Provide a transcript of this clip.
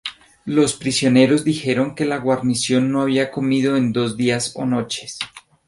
Los prisioneros dijeron que la guarnición no había comido en dos días o noches.